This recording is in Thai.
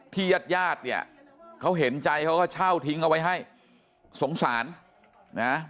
ญาติญาติเนี่ยเขาเห็นใจเขาก็เช่าทิ้งเอาไว้ให้สงสารนะ